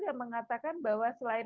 yang mengatakan bahwa selain